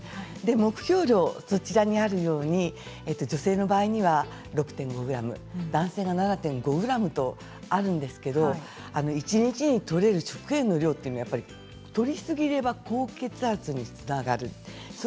目標量、そちらにあるように女性の場合だと６．５ｇ男性だと７．５ｇとあるんですけれど一日にとれる食塩の量というのはとりすぎれば高血圧になります。